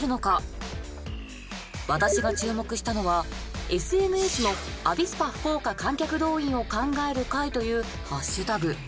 私が注目したのはＳＮＳの「アビスパ福岡観客動員を考える会」というハッシュタグ。